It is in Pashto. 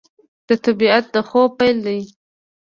د طبیعت د خوب پیل دی